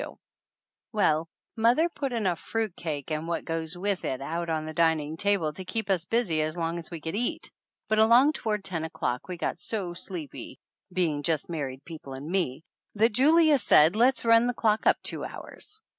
220 THE ANNALS OF ANN Well, mother put enough fruit cake and what goes with it out on the dining table to keep us busy as long as we could eat, but along toward ten o'clock we got so sleepy (being just married people and me) that Julius said let's run the clock up two hours.